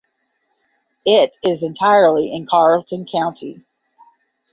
It is entirely in Carlton County.